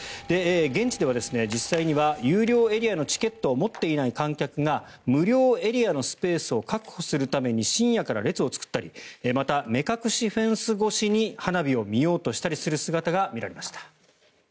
現地では実際には有料エリアのチケットを持っていない観客が無料エリアのスペースを確保するために深夜から列を作ったりまた、目隠しフェンス越しに花火を見ようとしたりする姿が見られました。